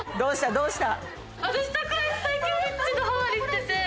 どうした？